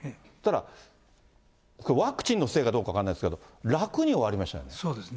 だから、ワクチンのせいかどうか分からないですけども、楽に終わそうですね。